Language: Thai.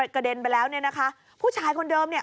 กระเด็นไปแล้วเนี่ยนะคะผู้ชายคนเดิมเนี่ย